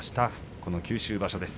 この九州場所です。